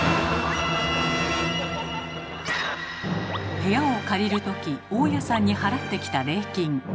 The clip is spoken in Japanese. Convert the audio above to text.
部屋を借りる時大家さんに払ってきた「礼金」。